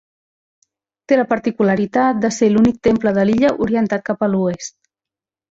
Té la particularitat de ser l'únic temple de l'illa orientat cap a l'oest.